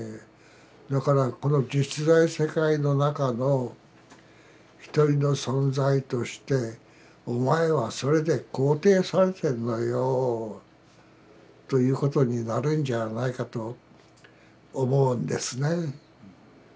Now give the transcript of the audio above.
だからこの実在世界の中の一人の存在としてお前はそれで肯定されてるのよということになるんじゃないかと思うんですね。